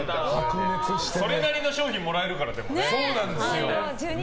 それなりの賞品もらえるからね。